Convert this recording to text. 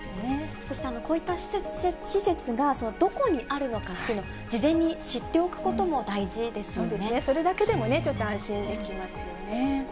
そしてこういった施設がどこにあるのかっていうのを、事前にそれだけでもね、ちょっと安心できますよね。